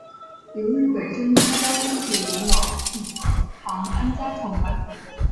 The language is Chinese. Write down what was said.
由日本珍珠加工界元老藤堂安家创办。